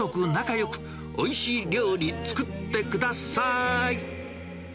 よく、おいしい料理、作ってください。